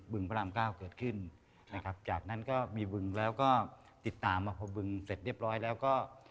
พระรามเก้าเกิดขึ้นนะครับจากนั้นก็มีบึงแล้วก็ติดตามมาพอบึงเสร็จเรียบร้อยแล้วก็